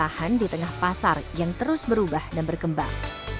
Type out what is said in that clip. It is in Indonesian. dan bertahan di tengah pasar yang terus berubah dan berkembang